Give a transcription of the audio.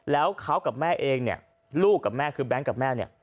แล้วเขากับแม่เองเนี่ยลูกกับแม่คือแบงค์กับแม่เนี่ย